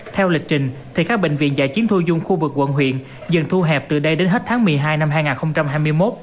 theo lịch trình thì các bệnh viện giải chiến thu dung khu vực quận huyện dần thu hẹp từ đây đến hết tháng một mươi hai năm hai nghìn hai mươi một